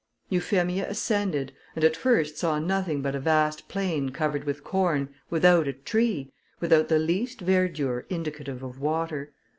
Euphemia ascended, and at first saw nothing but a vast plain covered with corn, without a tree, without the least verdure indicative of water.